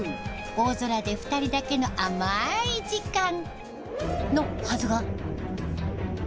大空で２人だけの甘い時間。のはずが。